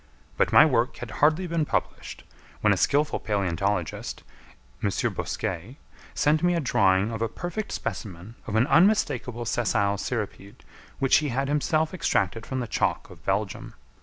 But my work had hardly been published, when a skilful palæontologist, M. Bosquet, sent me a drawing of a perfect specimen of an unmistakable sessile cirripede, which he had himself extracted from the chalk of Belgium.